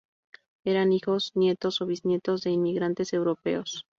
Eran hijos, nietos o bisnietos de inmigrantes europeos.